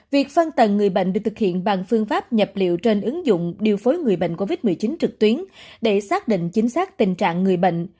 việc phân tần người bệnh được thực hiện bằng phương pháp nhập liệu trên ứng dụng điều phối người bệnh covid một mươi chín trực tuyến để xác định chính xác tình trạng người bệnh